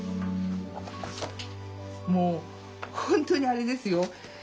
もう本当にあれですよ